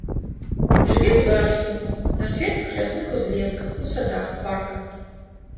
Жыве ў зарасніку, на светлых лясных узлесках, у садах, парках.